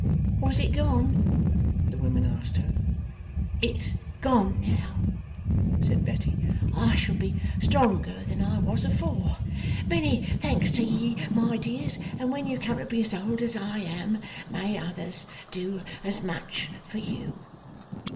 Was it gone? the women asked her. 'It's gone now,' said Betty. 'I shall be stronger than I was afore. Many thanks to ye, my dears, and when you come to be as old as I am, may others do as much for you!